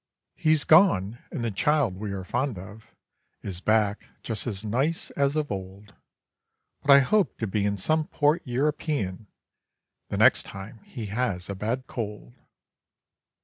He's gone, and the child we are fond of Is back, just as nice as of old. But I hope to be in some port European The next time he has a bad cold.